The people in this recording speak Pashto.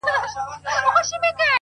• پاچا و ايستل له ځانه لباسونه,